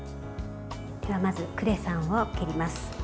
ではまず、クレソンを切ります。